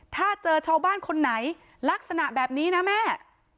ถ้าเจอชาวบ้านคนไหนลักษณะแบบนี้นะแม่